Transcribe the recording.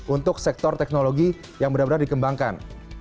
untuk sektor teknologi yang benar benar dikembangkan